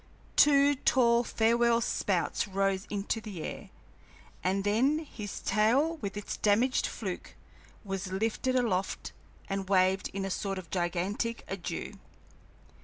Two tall farewell spouts rose into the air, and then his tail with its damaged fluke was lifted aloft and waved in a sort of gigantic adieu.